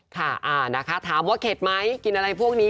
ค่ะนะคะถามว่าเข็ดไหมกินอะไรพวกนี้